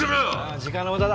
時間の無駄だ。